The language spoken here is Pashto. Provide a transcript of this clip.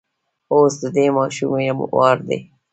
اوس د دې ماشومې وار دی.